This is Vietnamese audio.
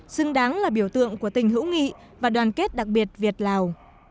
xứng đáng là biểu tượng của tình hữu nghị và đoàn kết đặc biệt việt lào